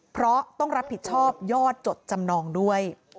เพราะต้องรับผิดชอบยอดจดจำนองด้วย